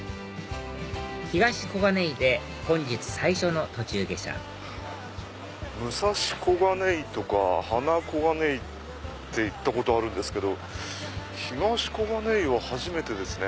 東小金井で本日最初の途中下車武蔵小金井とか花小金井って行ったことあるんですけど東小金井は初めてですね。